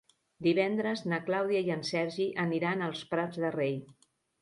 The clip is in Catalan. Divendres na Clàudia i en Sergi aniran als Prats de Rei.